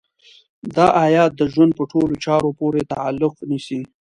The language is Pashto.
دا ايت د ژوند په ټولو چارو پورې تعلق نيسي.